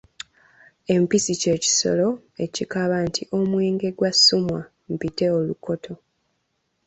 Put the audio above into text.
Empisi kye kisolo ekikaaba nti "Omwenge gwa Ssuumwa, mpite olukooto".